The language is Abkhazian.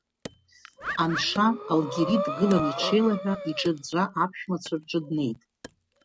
Анша, Алгьери дгылан иҽеилаҳәа, иҿы ӡәӡәа аԥшәмацәа рҿы днеит.